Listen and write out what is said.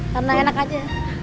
karena enak aja